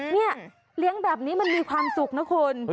นี่เลี้ยงแบบนี้มันมีความสุขนะคุณ